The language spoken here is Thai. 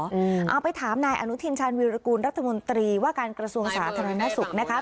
เอาไปถามนายอนุทินชาญวิรากูลรัฐมนตรีว่าการกระทรวงสาธารณสุขนะคะ